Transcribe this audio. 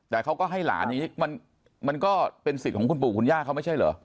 แต่เขาก็ให้หลานอย่างนี้มันก็เป็นสิทธิ์ของคุณปู่คุณย่าเขาไม่ใช่เหรอ